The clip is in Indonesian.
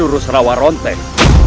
jurus rawa ronteg